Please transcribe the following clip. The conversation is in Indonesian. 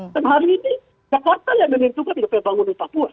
dan hari ini jakarta yang menentukan itu pembangunan papua